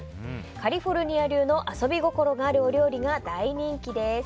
カリフォルニア流の遊び心があるお料理が大人気です。